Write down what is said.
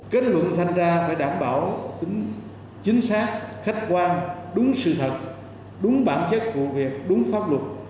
kết luận thanh tra phải đảm bảo tính chính xác khách quan đúng sự thật đúng bản chất vụ việc đúng pháp luật